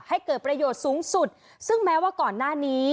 ให้เกิดประโยชน์สูงสุดซึ่งแม้ว่าก่อนหน้านี้